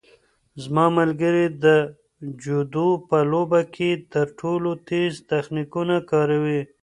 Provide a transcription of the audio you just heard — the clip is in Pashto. زما ملګری د جودو په لوبه کې تر ټولو تېز تخنیکونه کاروي.